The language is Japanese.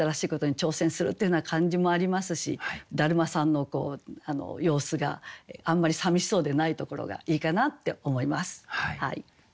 挑戦するっていうような感じもありますし達磨さんの様子があんまりさみしそうでないところがいいかなって思います。